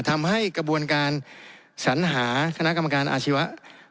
ทำให้กระบวนการสัญหาคณะกรรมการอาชีวะ